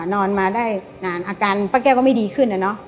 นอนมาได้นานอาการป้าแก้วก็ไม่ดีขึ้นนะเนอะ